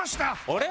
あれ？